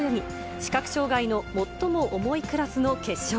視覚障がいの最も重いクラスの決勝。